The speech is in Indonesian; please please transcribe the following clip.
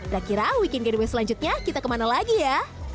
tak kira weekend gateway selanjutnya kita kemana lagi ya